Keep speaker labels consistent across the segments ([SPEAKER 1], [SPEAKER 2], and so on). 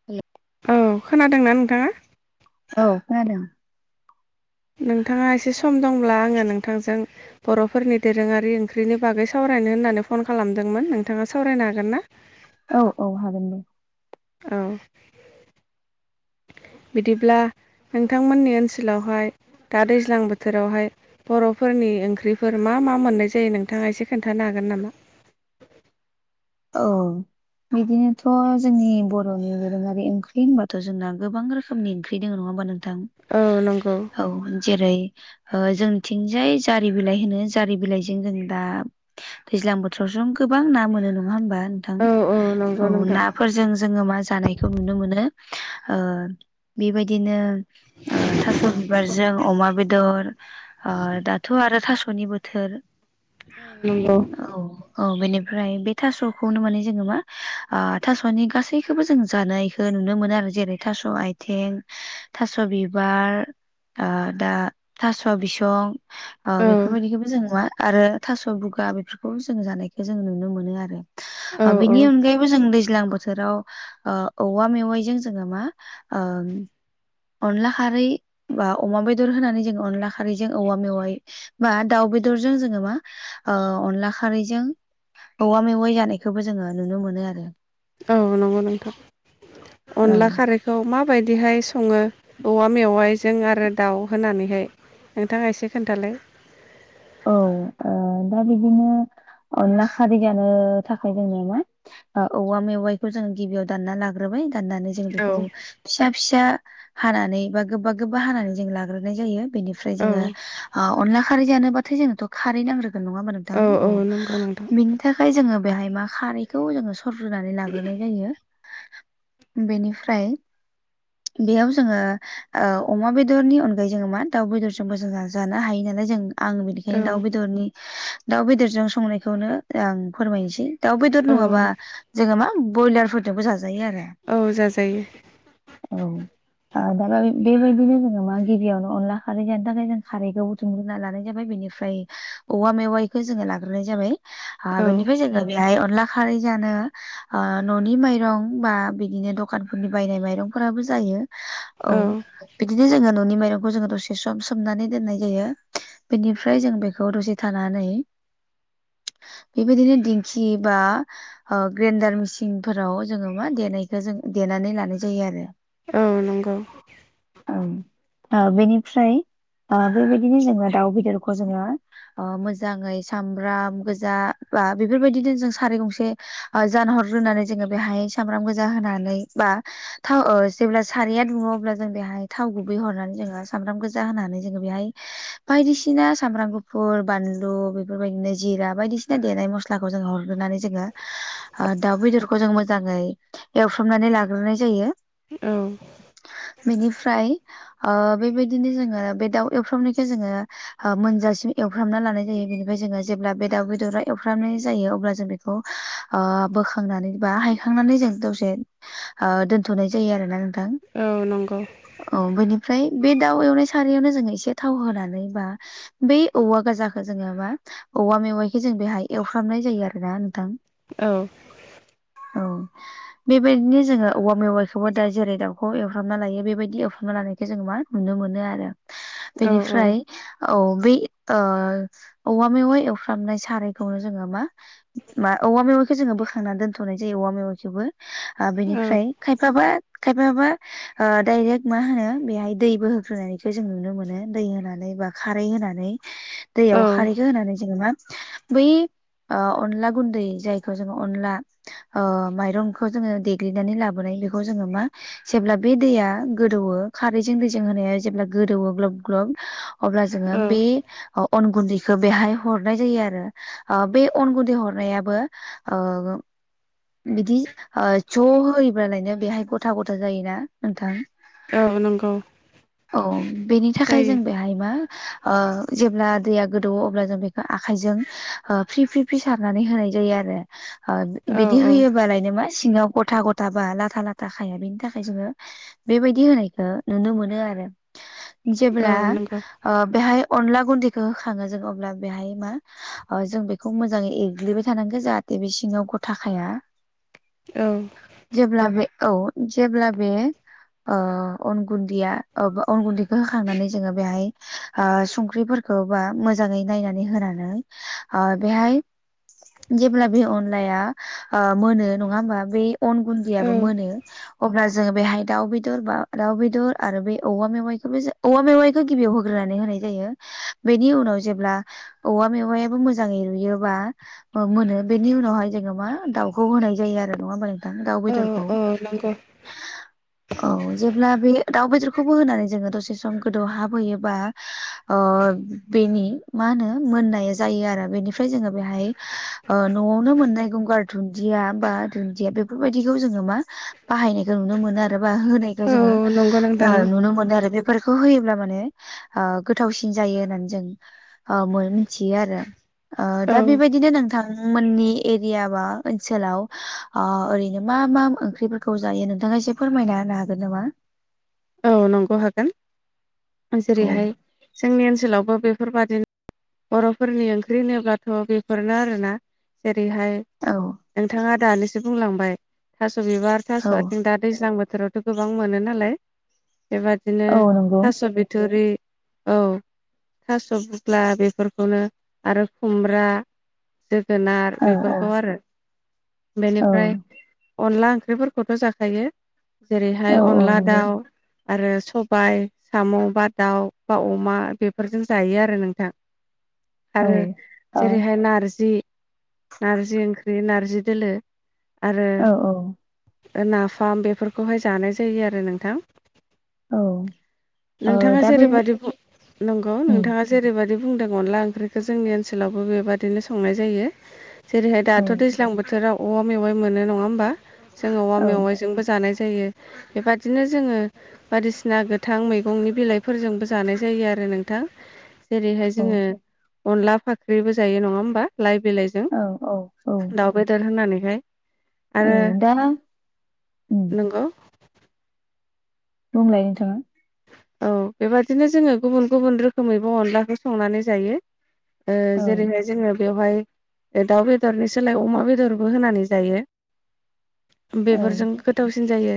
[SPEAKER 1] [unintelligible]
[SPEAKER 2] औ खोनादोंना नोंथाङा
[SPEAKER 1] औ खोनादों
[SPEAKER 2] नोंथाङा एसे सम दंब्ला आङो नोंथांजों बर'फोरनि दोरोङारि ओंख्रिनि बागै सावरायनो होननानै फन खालामदोंमोन नोंथाङा सावरायनो हागोन ना
[SPEAKER 1] औ औ हागोन दे
[SPEAKER 2] औ बिदिब्ला नोंथांमोननि ओनसोलावहाय दा दैज्लां बोथोरावहाय बर'फोरनि ओंख्रिफोर मा मा मोननाय जायो नोंथाङा एसे खोन्थानो हागोन नामा
[SPEAKER 1] औ बिदिनोथ' जोंनि बर'नि दोरोङारि ओंख्रि होनबाथ' जोंना गोबां रोखोमनि ओंख्रि दङ नङा होमबा नों
[SPEAKER 2] औ नंगौ
[SPEAKER 1] नोंथां औ जेरै ओ जोंथिंजाय जारि बिलाइ होनो जारि बिलाइजों जों दा दैज्लां बोथोराव ज गोबां ना मोनो नङा होमबा नोंथां
[SPEAKER 2] औ औ नंगौ
[SPEAKER 1] औ
[SPEAKER 2] नोंथां
[SPEAKER 1] नाफोर जों जोङो मा जानायखौ नुनो मोनो ओ बिबायदिनो ओ थास' बिबारजों अमा बेदर ओ दाथ' आरो थास'नि बो थोर‌
[SPEAKER 2] नंगौ
[SPEAKER 1] औ औ बेनिफ्राय थास'खौनो माने जोङो मा ओ थास'नि गासै खौबो जों जानायखौ नुनो मोनो आरो जेरै थास' आयथें थास' बिबार ओ दा थास' बिसं ओ
[SPEAKER 2] औ
[SPEAKER 1] बेफोरबायदिखौबो जों नुवा आरो थास' बुगा बेफोरखौबो जों जानायखौ जों नुनो मोनो आरो
[SPEAKER 2] औ
[SPEAKER 1] ओ
[SPEAKER 2] औ
[SPEAKER 1] बिनि अनगायैबो जों दैज्लां बो सोराव ओ औवा मेवाइजों जोङो मा ओ अनला खारै बा अमा बेदर होनानै जों अनला खारैजों औवा मेवाइ बा दाउ बेदरजों जोङो मा अनला खारैजों औवा मे य जानायखौबो जोङो नुनो मोनो आरो
[SPEAKER 2] औ नंगौ नोंथां
[SPEAKER 1] औ
[SPEAKER 2] अनला खारै खौ माबायदिहाय सङो औवा मेवाइजों आरो दाउ होनानैहाय नोंथाङा एसे खोन्थालाय
[SPEAKER 1] औ ओ दा बिदिनो अनला खारि जानो थाखाय जोंनो मा ओ औवा मेवाइखौ जों गिबियाव दानना लाग्रोबाय दाननानै जों बेखौ
[SPEAKER 2] औ
[SPEAKER 1] फिसा फिसा हानानै बा गोबा गोबा हानानै जों लाग्रोनाय जायो बेनि ओफ्राय जोङो
[SPEAKER 2] औ
[SPEAKER 1] ओ अनला खारै जानोबाथाय जोथ' खारै नांग्रो नङा ओमबा नोंथां औ बिनि थाखाय जोङो बेहाय मा खारै बेखौ जोङो सरग्रोनानै लाग्रोनाय जायो बेनिफ्राय बेयाव जोङो ओ अमा बेदरनि अनगायै जोङो मा दाउ बेदरजोंबो जानो हायो नालाय जों आं बिदि दाउ
[SPEAKER 2] औ
[SPEAKER 1] बेदरनि दाउ बेदरजों संनायखौनो आं फोरमायनोसै दाउ बेदर
[SPEAKER 2] औ
[SPEAKER 1] नङाबा जोङो मा बयलारफोरदोबो जाजायो आरो
[SPEAKER 2] औ जाजायो
[SPEAKER 1] औ [unintelligible] बेबायदिनो जोङो मा गिबियावनो अनला खारै जानो थाखाय जों खारैखौ बुथुमग्रोनना लानाय जाबाय बेनिफ्राय ओमफ्राय औवा मेवायखौ जोङो लाग्रोनाय जाबाय ओ
[SPEAKER 2] औ
[SPEAKER 1] बेनिफ्राय जोङो बेहाय अनला खारै जानो ओ न'नि माइरं बा बिदिनो दखानफोरनि बायनाय माइरंफोराबो जायो औ बिदिनो जोङो न'नि माइरंखौ जोङो दसे सम सोमनानै दोननाय जायो बेनि फ्राय जों बेखौ दसे थानानै
[SPEAKER 2] [inaudible]
[SPEAKER 1] बेबायदिनो दिंखि बा ओ ग्रेन्डार मेसिनफोराव जोङो मा देनायखौ जो देनानै लानाय जायो आरो
[SPEAKER 2] औ नंगौ
[SPEAKER 1] बेनिफ्राय ओ बेबायदिनो जोङो दाउ बेदर जोङो मोजाङै सामब्राम गोजा बा बेफोरबायदिनो जों सारे गंसे ओ जानहरग्रोनानै जोङो बेहाय सामब्राम गोजा होनानै बा थाव जेब्ला सारिया दुङो अब्ला जों बेहाय थाव गुबै हरनानै जोङो सामब्राम गोजा होनानै जोङो बेहाय बायदिसि सिना सामब्राम गुफुर बानलु बेफोरबायदिनो जिरा बायदिसिना देनाय मस्लालाखौ जो हरनानै ज जोङो दाउ बेदरखौ जों मोजाङै एवफ्रमनानै लाग्रोनाय जायो
[SPEAKER 2] औ
[SPEAKER 1] बेनिफ्राय ओ बेबायदिनो जोङो बे दाउ एवफ्रामनायखौ जोङो ओ मोनजासिम एवफ्र्रामना लानाय जायो बेनिफ्राय जोङो जेब्ला बे दाउ बेदरा एवफ्रामनाय जायो अब्ला जों बेदर खौ बोखांनानै बा हायखांनानै जों दसे ओ दोनथ'नाय जायो आरोना नोंथां
[SPEAKER 2] औ नंगौ
[SPEAKER 1] औ बेनिफ्राय बे दाउ एवनाय सारयावनो जोङ एसे थाव होनानै बा बै औवा गोजाखौ जोङो मा औवा मेवाइखौ जों बेहाय एवफ्रामनाय जायो आरोना नोंथां
[SPEAKER 2] औ
[SPEAKER 1] औ बेबायदिनो जोङो औवा मेवाइखौबो दा जेरै दाउखौ एवफ्रामना लायो बेबायदि एवफ्रामना लानायखाय जोङो मा नुनो मोनो आरो
[SPEAKER 2] औ औ
[SPEAKER 1] बेनिफ्राय औ बे औवा मेवाइ एवफ्रामनाय सारायखौनो जोङो मा मा औवा मेवाइखौ जोङो बोखांनानै दोनथ'नाय जायो औवा मेवखौबो ओ
[SPEAKER 2] औ
[SPEAKER 1] बेनिफ्राय खायफाबा खायफाबा ओ डायरेक्ट मा होनो बेहाय दैबो होग्रोनायखौ जों नुनो मोनो दै होनानै बा खारै होनानै दैयाव
[SPEAKER 2] औ
[SPEAKER 1] खारैखौ होनानै जोङो मा बै ओ अनला गुन्दै जायखौ जोङो अनला ओ माइरंखौ जोङो देग्लिनानै लाबोनाय बेखौ जोङो मा जेब्ला बे दैया गोदौओ खारैजों दैजों होनाया जेब्ला गोदौओ ग्लब ग्लब अब्ला जोङो
[SPEAKER 2] औ
[SPEAKER 1] बे अन गुन्दैखौ बेहाय हरनाय जायो आरो ओ बे अन गुन्दै हरनायाबो बिदि ओ ज' होयोबालायनो बेहाय गथा गथा जायोना नोंथां
[SPEAKER 2] औ नंगौ
[SPEAKER 1] औ बेनि थाखाय जों
[SPEAKER 2] जायो
[SPEAKER 1] बेहाय बा ओ जेब्ला दैया गोदौओ अब्ला जों बेखौ आखजों ओ फ्रि फ्रि फ्रि सारनानै होनाय जायो आरो ओ
[SPEAKER 2] औ
[SPEAKER 1] बिदि
[SPEAKER 2] औ
[SPEAKER 1] होयोबालायनो मा सिङाव गथा गथाबा लाथा लाथा खाया बेनि थाखाय जोङो बेबायदि होनायखौ नुनो मोनो आरो
[SPEAKER 2] औ
[SPEAKER 1] जेब्ला
[SPEAKER 2] नंगौ
[SPEAKER 1] ओ बेहाय अनला गुन्दैखौ होखाङो जों अब्ला बेहाय मा ओ जों बेखौ मोजाङै एग्लिबाय थानांगौ जाहाथे बि सिङाव गथाखाया
[SPEAKER 2] औ
[SPEAKER 1] जेब्ला बे औ जेब्ला बे ओ अन गुन्दैया ओ अन गुन्दैखौ होखांनानै जोङो बेहाय ओ संख्रिफोरखौ बा मोजाङै नायनानै होनानै ओ बेहाय जेब्ला बे अनलाया मोनो नङा होमबा? बे अन
[SPEAKER 2] औ
[SPEAKER 1] गुन्दैयाबो मोनो अब्ला जोङो बेहाय दाउ बेदर बा दाउ बेदर आरो बे औवा मेवाइखौबो औवा मेवाइ खौ गिबियाव होग्रोनानै होनाय जायो। बेनि उनाव जेब्ला औवा मेवायाबो मोजाङै रुयोबा ओ मोनो। बेनि उनावहाय जोङो मा दाउखौ होनाय जायो आरो नङा होमबा नों थां दाउ
[SPEAKER 2] औ
[SPEAKER 1] बेदरखौ।
[SPEAKER 2] औ नंगौ
[SPEAKER 1] औ जेब्ला बे दाउ बेदरखौबो होनानै जोङो दसे सम गो दौहाब होयो बा ओ बेनि मा होनो मोन्नाय जायो आरो। बेनि फ्राय जोङो बेहाय नआवनो मोननाय गंगार दुन्दिया बा दुन्दिया बेफोरबायदिखौ जोङो मा बाहायनायखौ नुनो मोनो आरो बा होनायखौ जोङो
[SPEAKER 2] औ नंगौ नोंथां
[SPEAKER 1] नुनो मोनो। ओ बेफोरखौ होयो ब्ला माने गोथावसिन जायो होननानै जों मिथियो आरो। ओ दा
[SPEAKER 2] औ
[SPEAKER 1] बेबायदिनो नोंथांमोननि एरिया बा ओनसोलाव ओ ओरैनो मा मा ओंख्रिफोरखौ जायो नोंथाङा एसे फोरमायना होनो हागोन नामा?
[SPEAKER 2] औ नंगौ हागोन।
[SPEAKER 1] औ
[SPEAKER 2] जेरैहाय जोंनि ओनसोलावबो बेफोरबादिनो बर'फोरनि ओंख्रि होनोब्लाथ बेफोरनो आरोना जेरैहाय
[SPEAKER 1] औ।
[SPEAKER 2] नोंथाङा दानिसो बुंलांबाय थास' बिबार,
[SPEAKER 1] औ
[SPEAKER 2] थास‌‌' आथिं दा दैज्लां बोथोराव गोबां मोनो नालाय। बेबादिनो
[SPEAKER 1] औ नंगौ
[SPEAKER 2] थास बिथरि औ थास‌' बुदला बेफोरखौनो आरो खुमब्रा जोगोनार
[SPEAKER 1] औ औ
[SPEAKER 2] बेफोरखौ आरो।
[SPEAKER 1] औ
[SPEAKER 2] बेनिफ्राय अनला ओंख्रिफोरखौथ' जाखायो
[SPEAKER 1] औ
[SPEAKER 2] जेरैहाय
[SPEAKER 1] औ
[SPEAKER 2] अनला
[SPEAKER 1] नंगौ
[SPEAKER 2] दाउ आरो सबाय साम' बा दाउ बा अमा बेफोरजों जायो आरो नोंथां।
[SPEAKER 1] औ
[SPEAKER 2] आरो
[SPEAKER 1] ओ औ
[SPEAKER 2] जेरैहाय नारजि, नारजि ओंख्रि नारजि दोलो आरो
[SPEAKER 1] औ
[SPEAKER 2] ओ नाफाम बेफोरखौहाय जानाय जायो आरो नोंथां।
[SPEAKER 1] औ। ओ
[SPEAKER 2] नोंथाङा
[SPEAKER 1] दा बे
[SPEAKER 2] जेरैबायदि बुं नंगौ
[SPEAKER 1] उम
[SPEAKER 2] नोंथाङा जेरैबायदि बुंदों अनला ओंख्रिखौ जोंनि ओनसोलावबो बेबादिनो संनाय जायो। [inaudible] जेरैहाय दाथ'
[SPEAKER 1] उम
[SPEAKER 2] दैज्लां बोथोराव औवा मेवाइ मोनो नङा होमबा? जोङो औवा
[SPEAKER 1] औ
[SPEAKER 2] मेवाइजोंबो जानाय जा जायो। बेबादिनो जोङो बायदिसिना गोथां मैगंनि बिलाइफोरजोंबो जानाय जायो आरो नोंथां। जेरैहाय
[SPEAKER 1] औ
[SPEAKER 2] जोङो अनला फाख्रिबो जायो नङा होमबा लाइ बिलाइजों?
[SPEAKER 1] औ औ औ।
[SPEAKER 2] दाउ बेदर होनानैहाय। आरो
[SPEAKER 1] औ दाना ओम।
[SPEAKER 2] नंगौ
[SPEAKER 1] बुंलाय नोंथाङा।
[SPEAKER 2] औ बेबादिनो जोङो गुबुन गुबुन रोखोमैबो अनलाखौ संनानै जायो। ओ
[SPEAKER 1] औ
[SPEAKER 2] जेरैहाय जोङो बेवहाय दाउ बेदरनि सोलाय अमा बेदरबो होनानै जायो।
[SPEAKER 1] औ
[SPEAKER 2] बेफोरजों गोथावसिन जायो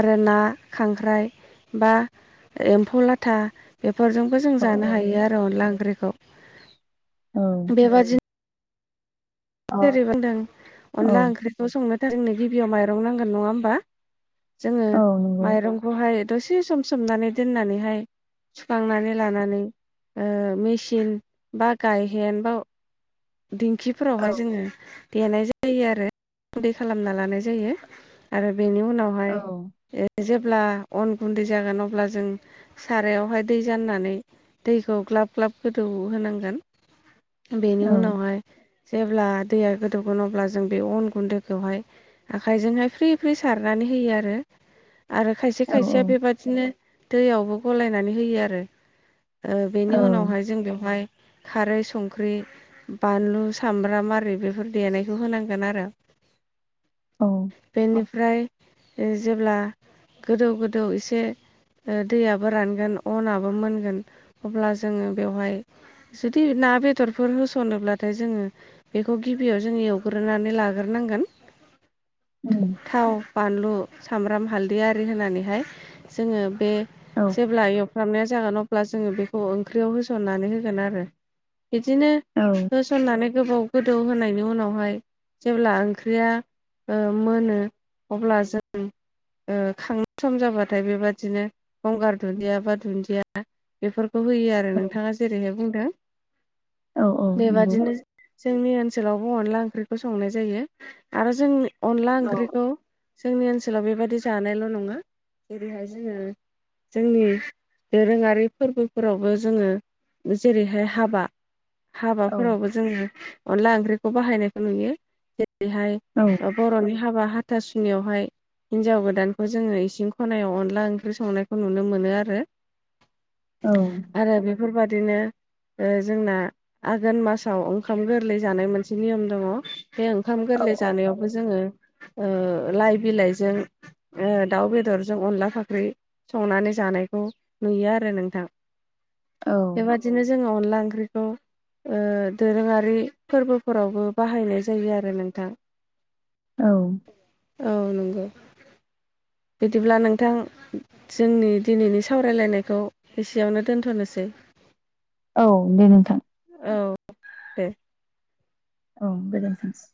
[SPEAKER 2] आरो ना, खांख्राइ बा एम्फौ लाथा बेफोरजोंबो जों
[SPEAKER 1] औ
[SPEAKER 2] जानो हायो आरो अनला ओंख्रिखौ।
[SPEAKER 1] औ।
[SPEAKER 2] बेबदिनो
[SPEAKER 1] अ
[SPEAKER 2] जेरै बुंदों
[SPEAKER 1] औ
[SPEAKER 2] अनला ओंख्रिखौ संनो थाखाय जोंनो गिबियाव माइरं नांगोन नङा होमबा? जोङो
[SPEAKER 1] औ नंगौ
[SPEAKER 2] माइरंखौहाय दसे सम सोमनानै दोननानैहाय सुखांनानै लानानै ओ मेसिन बा गायहेन बा
[SPEAKER 1] औ
[SPEAKER 2] दिंखिफोरावहाय जोङो देनाय जायो आरो दै खालामना लानाय जायो आरो बेनि उनाव
[SPEAKER 1] औ
[SPEAKER 2] जेब्ला अन गुन्दै जागोन अब्ला जों सारायावहाय दै जाननानै दैखौ ग्लाब ग्लाब गोदौ होनांगोन। बेनि
[SPEAKER 1] औ
[SPEAKER 2] उनावहाय जेब्ला दैया गोदौगोन अब्ला जों बे अन गुन्दैखौहाय आखाइजोंहाय फ्रि फ्रिरि सारनानै होयो आरो। आरो खायसे खायसेया
[SPEAKER 1] औ
[SPEAKER 2] बेबादिनो दैयावबो गलायनानै होयो आरो।
[SPEAKER 1] औ
[SPEAKER 2] बेनि उनावहाय जों बेवहाय खारै संख्रि बानलु सामब्राम आरै बेफोर देनायखौ होनांगोन आरो।
[SPEAKER 1] औ
[SPEAKER 2] बेनिफ्राय जेब्ला गोदौ गोदौ एसे दैयाबो रानगोन अनाबो मोनगोन अब्ला जोङो बेवहाय जुदि ना बेदरफोर होसनोब्ला नाथाय जोङो बेखौ गिबियाव जोङो एवग्रोनानै लाग्रोनांगोन।
[SPEAKER 1] उम
[SPEAKER 2] थाव बानलु सामब्राम हालदै आरि होनानैहाय जोङो बे
[SPEAKER 1] औ
[SPEAKER 2] जेब्ला एव फ्रामनाया जागोन अब्ला जोङो बेखौ ओंख्रियाव होसननानै होगोन आरो बिदिनो
[SPEAKER 1] औ
[SPEAKER 2] होसननानै गोबाव गोदौ होनायनि उनावहाय जेब्ला ओंख्रिया मोनो अब्ला जों खांनाय सम जाबाथाय बेबादिनो गंगार दुन्दिया बा दुन्दिया बेफोरखौ होयो आरो
[SPEAKER 1] औ
[SPEAKER 2] नोंथाङा जेरैहाय बुंदों।
[SPEAKER 1] औ नंगौ
[SPEAKER 2] बेबादिनो जोंनि ओनसोलावबो अनला ओंख्रिखौ संनाय जायो आरो जों अनला
[SPEAKER 1] औ
[SPEAKER 2] ओंख्रिखौ जोंनि ओनसोलाव बेबायाददि जानायल' नङा जेरैहाय जोङो जोंनि दोरोङारि फोरबोफोरावबो जोङो जेरैहाय हाबा
[SPEAKER 1] औ
[SPEAKER 2] हाबाफोरावबो जोंङो अनला ओंख्रिखौ बाहायनायखौ नुयो जेरैहाय
[SPEAKER 1] औ
[SPEAKER 2] बर'नि हाबा हाथासुनियावहाय हिन्जाव गोदानखौ जोङो इसिं खनायाव अनला ओंख्रि संनायखौ नुनो मोनो आरो। [inaudible]
[SPEAKER 1] औ
[SPEAKER 2] आरो बेफोरबादिनो जोंना आघोन मासाव ओंखाम गोरलै जानाय मोनसे नियम दङ बे ओंखाम गोरलै
[SPEAKER 1] औ नंगौ
[SPEAKER 2] जानायाव जोङो लाइ बिलाइजों दाउ बेदरजों अनला फाख्रि संनानै जानायखौ नुयो आरो नोंथां।
[SPEAKER 1] औ
[SPEAKER 2] बेबादिनो जोङो अनला ओंख्रिखौ दोरोङारि फोरबोफोरावबो बाहायनाय जायो आरो नोंथां।
[SPEAKER 1] औ
[SPEAKER 2] औ नंगौ बिदिब्ला नोंथां जोंनि दिनैनि सावरायलायनायखौ एसेयावनो दोनथ'नोसै।
[SPEAKER 1] औ दे नोंथां।
[SPEAKER 2] औ दे।
[SPEAKER 1] औ गोजोनथोंसै।